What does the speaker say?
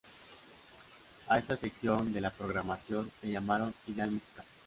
A esta sección de la programación le llamaron "Idea musical"".